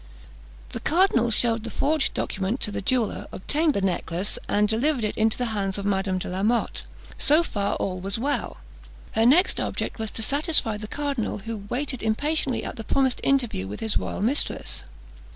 The cardinal shewed the forged document to the jeweller, obtained the necklace, and delivered it into the hands of Madame de la Motte. So far all was well. Her next object was to satisfy the cardinal, who awaited impatiently the promised interview with his royal mistress.